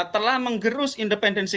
telah mengerus independensi